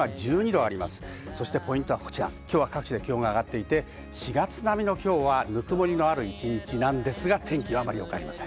ポイントはこちら、各地で気温が上がって、４月並みのぬくもりのある一日なんですが、天気はあまり良くありません。